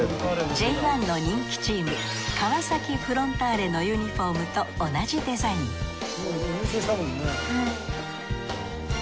Ｊ１の人気チーム川崎フロンターレのユニフォームと同じデザイン優勝したもんね。